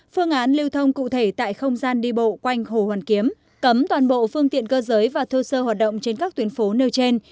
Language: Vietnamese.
phương án lưu thông cụ thể tại không gian đi bộ quanh hồ hoàn kiếm cấm toàn bộ phương tiện cơ giới và thô sơ hoạt động trên các tuyến phố nêu trên